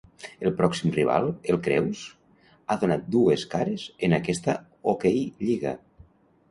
El pròxim rival, el Creus, ha donat dues cares en aquesta OkLliga.